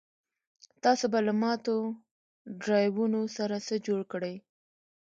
تاسو به له ماتو ډرایوونو سره څه جوړ کړئ